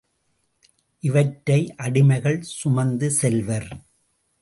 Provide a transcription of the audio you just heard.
இவற்றை அடிமைகள் சுமந்து செல்வர்.